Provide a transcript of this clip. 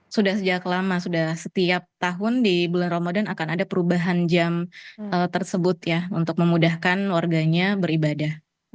sudah sejak lama sudah setiap tahun di bulan ramadan akan ada perubahan jam tersebut ya untuk memudahkan warganya beribadah